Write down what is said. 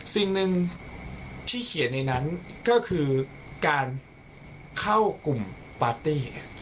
สิ่งหนึ่งที่เขียนในนั้นก็คือการเข้ากลุ่มปาร์ตี้